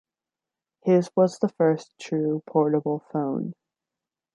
His was the first true portable phone.